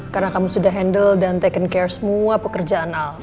karena kamu sudah handle dan taken care semua pekerjaan al